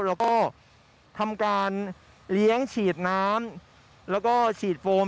แล้วก็ทำการเลี้ยงฉีดน้ำแล้วก็ฉีดโฟม